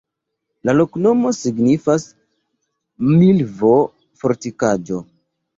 La loknomo signifas: milvo-fortikaĵo.